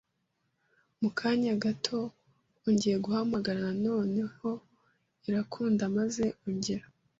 Mu kanya gato ongeye guhamagarana noneho irakunda maze ongera